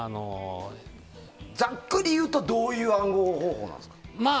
ざっくりいうとどういう暗号方法なんですか？